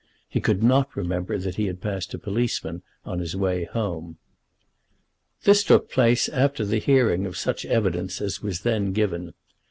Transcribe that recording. He could not remember that he had passed a policeman on his way home. This took place after the hearing of such evidence as was then given.